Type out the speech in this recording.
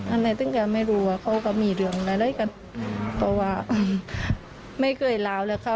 อะไรถึงแกไม่รู้ว่าเขาก็มีเรื่องอะไรกันเพราะว่าไม่เคยลาวเลยค่ะ